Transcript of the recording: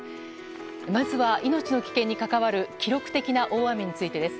まずは、命の危険に関わる記録的な大雨についてです。